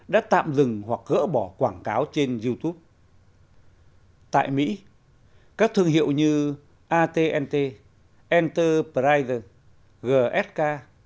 đã tạm dừng hoặc gỡ bỏ quảng cáo trên youtube tại mỹ các thương hiệu từ at t enterprises gsk